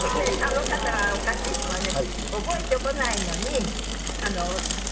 あの方がおかしいのはね。